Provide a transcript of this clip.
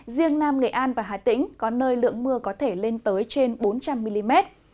riêng nam nghệ an và hà tĩnh có nơi lượng mưa có thể lên tới trên bốn trăm linh mm